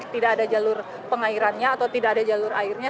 tidak ada jalur pengairannya atau tidak ada jalur airnya